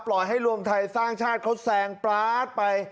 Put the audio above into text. ให้รวมไทยสร้างชาติเขาแซงปลาดไป